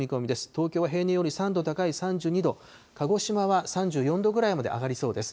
東京は平年より３度高い３２度、鹿児島は３４度くらいまで上がりそうです。